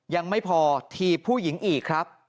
ยังไม่พอถีบผู้หญิงอีกครับ